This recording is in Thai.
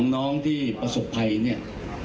น้องที่ประสบภัยเนี่ย